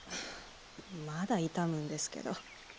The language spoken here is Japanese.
まだ痛むんですけど。